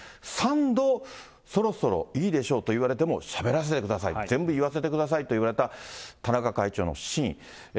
３度、そろそろいいでしょうと言われても、しゃべらせてください、全部言わせてくださいといわれた田中会長の真意。